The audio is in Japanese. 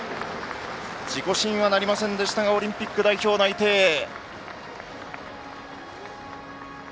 自己新はなりませんでしたがオリンピック代表内定です。